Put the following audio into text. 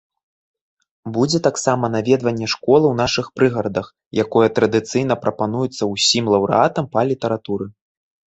Будзе таксама наведванне школы ў нашых прыгарадах, якое традыцыйна прапануецца ўсім лаўрэатам па літаратуры.